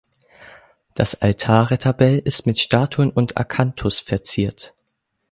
Das Altarretabel ist mit Statuen und Akanthus verziert.